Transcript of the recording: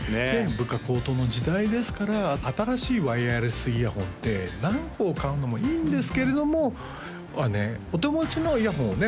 物価高騰の時代ですから新しいワイヤレスイヤホンって何個買うのもいいんですけれどもお手持ちのイヤホンをね